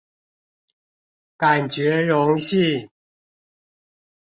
感覺榮幸